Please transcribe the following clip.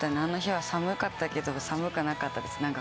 あの日は寒かったけど寒くなかったです。